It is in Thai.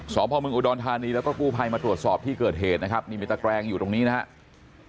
สอบพ่อเมืองอุดรธานีแล้วก็กู้ภัยมาตรวจสอบที่เกิดเหตุนะครับนี่มีตะแกรงอยู่ตรงนี้นะครับ